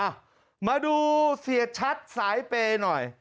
อ้าวมาดูเสียชัดสายเปน้อย